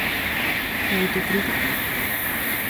E autocrítica?